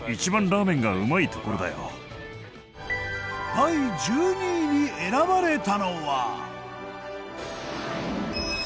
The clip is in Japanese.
第１２位に選ばれたのは。